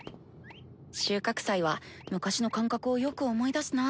収穫祭は昔の感覚をよく思い出すなぁ。